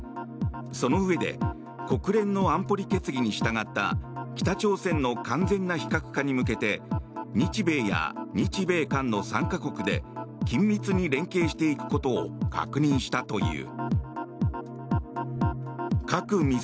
そのうえで国連の安保理決議に従った北朝鮮の完全な非核化に向けて日米や日米韓の３か国で緊密に連携していくことを確認したという。